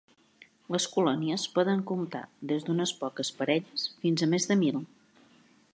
Les colònies poden comptar des d'unes poques parelles fins a més de mil.